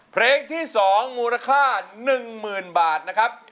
เพลงที่๒มูลค่า๑๐๐๐บาทนะครับ